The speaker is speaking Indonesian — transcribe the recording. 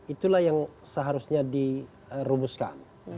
itulah yang seharusnya dirumuskan